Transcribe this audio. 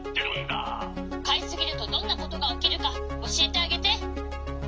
かいすぎるとどんなことがおきるかおしえてあげて！